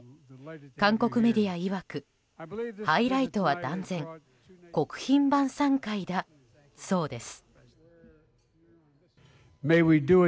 韓国メダルいわくハイライトは断然国賓晩さん会だそうです。